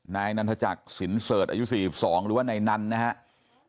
นายนัทัจจักษ์สินศิษย์อายุ๔๒หรือว่าในนันนะครับ